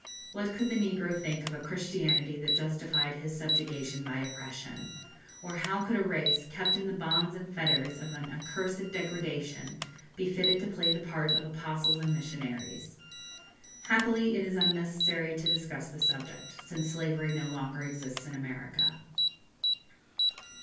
What could the negro think of a Christianity that justified his subjugation by oppression? Or how could a race, kept in the bonds and fetters of an accursed degradation, be fitted to play the part of apostles and missionaries? Happily it is unnecessary to discuss the subject, since slavery no longer exists in America.